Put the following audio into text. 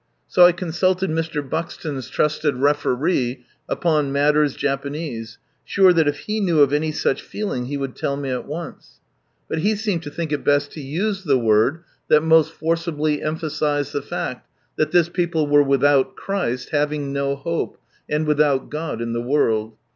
So I consulted Mr. Buxton's trusted referee upon matters 11 be a Seed" ■43 Japanese, sure that if he knew of any such feeling he would tell me at once ; but he seemed to think it best to use the word that most forcibly emphasised the fact, that this people were without Christ, having no hope, and without God in the world.